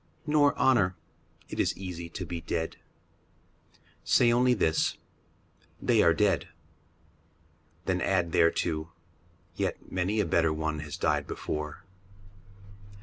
Nor honour. It is easy to be dead. Say only this, " They are dead." Then add thereto, " Yet many a better one has died before."